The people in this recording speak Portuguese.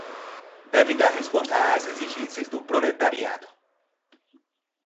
deve dar resposta às exigências do proletariado